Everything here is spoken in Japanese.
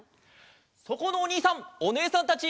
そこのおにいさんおねえさんたち！